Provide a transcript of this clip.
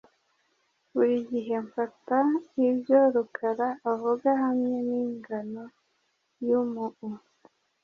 Buri gihe mfata ibyo Rukara avuga hamwe ningano yumuu.